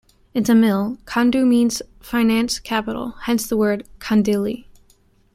In Tamil; "Kandu" means "finance capital," hence the word Kandhili.